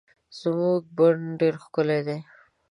زمونږ بڼ ډير ښکلي دي